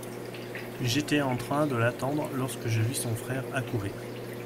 J'étais en train de l'attendre lorsque je vis son frère accourir.